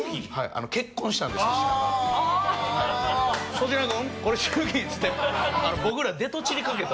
「粗品君これ祝儀」っつって。